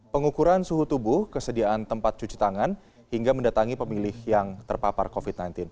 pengukuran suhu tubuh kesediaan tempat cuci tangan hingga mendatangi pemilih yang terpapar covid sembilan belas